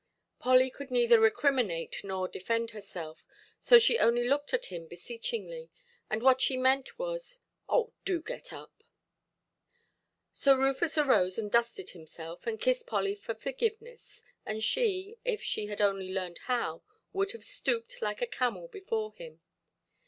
Polly could neither recriminate nor defend herself; so she only looked at him beseechingly, and what she meant was, "Oh, do get up". So Rufus arose, and dusted himself, and kissed Polly for forgiveness, and she, if she had only learned how, would have stooped like a camel before him.